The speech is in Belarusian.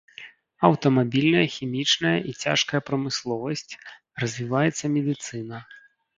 Аўтамабільная, хімічная і цяжкая прамысловасць, развіваецца медыцына.